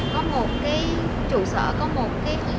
có một cái tổ chức hoạt động để thực hiện học tak